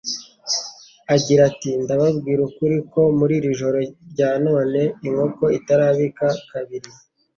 agira ati : «Ndababwira ukuri ko muri iri joro rya none, inkoko itarabika kabiri,